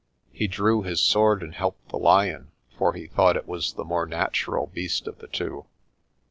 He drew his sword and helped the lion, for he thought it was the more natural beast of the two.